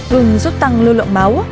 gừng giúp tăng lưu lộn máu